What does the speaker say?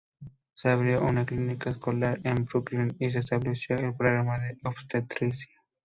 Se abrió una clínica escolar en Brooklyn y se estableció el Programa de Obstetricia.